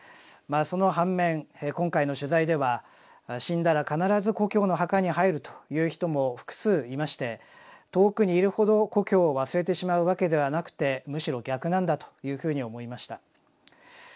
まあその反面今回の取材では死んだら必ず故郷の墓に入るという人も複数いまして遠くにいるほど故郷を忘れてしまうわけではなくてむしろ逆なんだというふうに思いました。